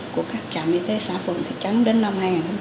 của các trạm y tế xã phường thị trấn đến năm hai nghìn hai mươi